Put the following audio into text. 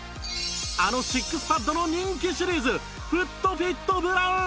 あのシックスパッドの人気シリーズフットフィットブラウン